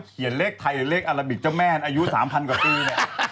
เขียนเลขไทยหรือเลขอาราบิตเจ้าแม่นอายุ๓๐๐๐กว่าปี